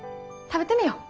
食べてみよう。